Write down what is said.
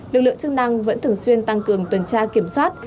lực lượng chức năng vẫn thường xuyên tăng cường tuần tra kiểm soát